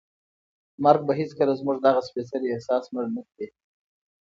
مرګ به هیڅکله زموږ دغه سپېڅلی احساس مړ نه کړي.